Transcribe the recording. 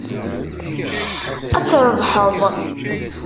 Ad trebḥeḍ.